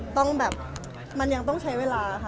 ต้องแบบมันยังต้องใช้เวลาค่ะ